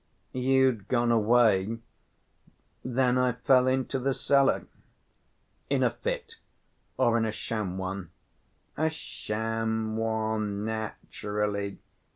"You'd gone away, then I fell into the cellar." "In a fit or in a sham one?" "A sham one, naturally.